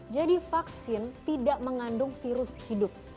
jadi vaksin tidak mengandung virus hidup